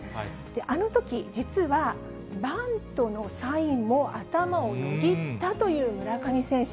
あのとき、実はバントのサインも頭をよぎったという村上選手。